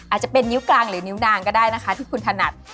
อาจจะเป็นนิ้วกลางหรือนิ้วนางก็ได้นะคะที่คุณถนัด